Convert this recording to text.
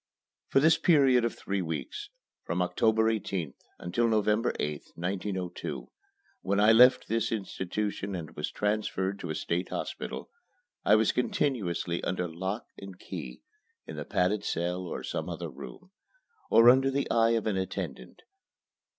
For this period of three weeks from October 18th until November 8th, 1902, when I left this institution and was transferred to a state hospital I was continuously either under lock and key (in the padded cell or some other room) or under the eye of an attendant.